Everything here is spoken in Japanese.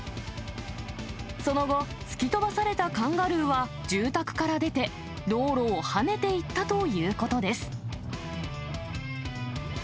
その後、突き飛ばされたカンガルーは、住宅から出て、道路を跳ねていったということです。